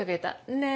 ねえ。